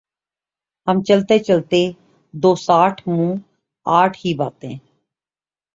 ہم چلتے چلتے دوسآٹھ منہ آٹھ ہی باتیں